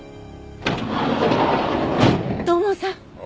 土門さん！